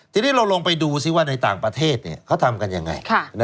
ทีนี้เราลองไปดูซิว่าในต่างประเทศเขาทำกันยังไง